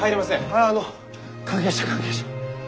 ああ関係者関係者！